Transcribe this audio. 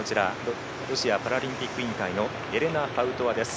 ロシアパラリンピック委員会のエレナ・パウトワです。